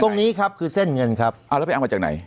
ตรงนี้ครับคือเส้นเงินครับเอาแล้วไปเอามาจากไหน